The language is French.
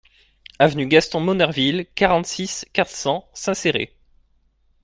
Avenue Gaston Monnerville, quarante-six, quatre cents Saint-Céré